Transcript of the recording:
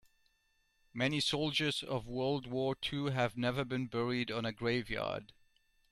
Many soldiers of world war two have never been buried on a grave yard.